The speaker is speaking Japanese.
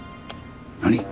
何？